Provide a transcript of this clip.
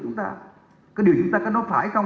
cái điều chúng ta có nốt phải không